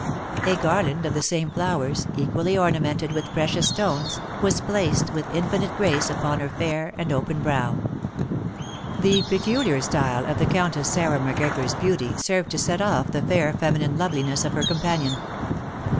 A garland of the same flowers, equally ornamented with precious stones, was placed with infinite grace upon her fair and open brow. The peculiar style of the Countess Sarah Macgregor's beauty served to set off the fair feminine loveliness of her companion.